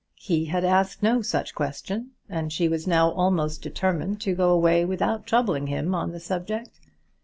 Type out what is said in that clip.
He had asked no such question, and she was now almost determined to go away without troubling him on the subject.